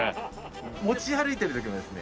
持ち歩いてる時もですね